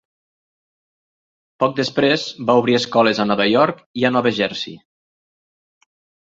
Poc després, va obrir escoles a Nova York i a Nova Jersey.